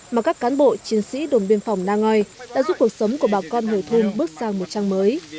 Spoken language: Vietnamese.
mà các cán bộ chiến sĩ đồn biên phòng đang ngồi đã giúp cuộc sống của bà con hùi thum bước sang một trang mới